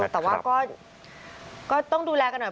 แต่ว่าก็ต้องดูแลกันหน่อย